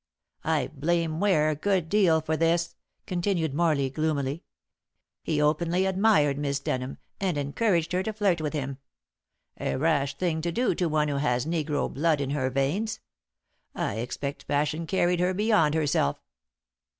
"I blame Ware a good deal for this," continued Morley gloomily. "He openly admired Miss Denham, and encouraged her to flirt with him. A rash thing to do to one who has negro blood in her veins. I expect passion carried her beyond herself."